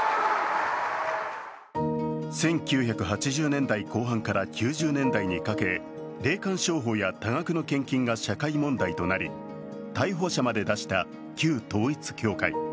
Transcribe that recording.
１９８０年代後半から９０年代にかけ、霊感商法や多額の献金が社会問題となり逮捕者まで出した旧統一教会。